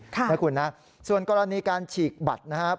ค่ะนะคุณนะส่วนกรณีการฉีกบัตรนะครับ